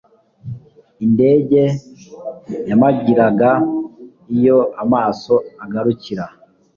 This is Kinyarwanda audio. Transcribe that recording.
indege yamagiraga iyo amaso agarukira